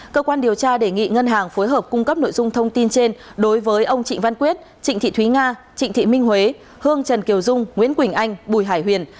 cơ quan điều tra đề nghị ngân hàng phối hợp cung cấp nội dung thông tin trên đối với ông trịnh văn quyết trịnh thị thúy nga trịnh thị minh huế hương trần kiều dung nguyễn quỳnh anh bùi hải huyền